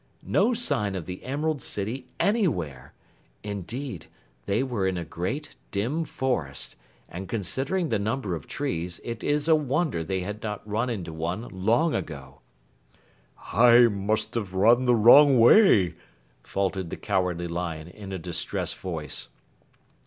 No sign of the Emerald City anywhere. Indeed, they were in a great, dim forest, and considering the number of trees, it is a wonder that they had not run into one long ago. "I must have run the wrong way," faltered the Cowardly Lion in a distressed voice.